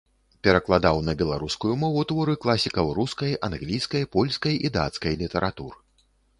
Перакладаў на беларускую мову творы класікаў рускай, англійскай, польскай і дацкай літаратур.